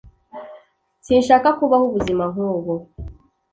sinshaka kubaho ubuzima nkubu